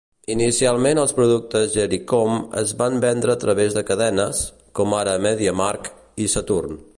inicialment els productes Gericom es van vendre a través de cadenes, com ara Media Markt i Saturn.